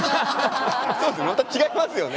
また違いますよね。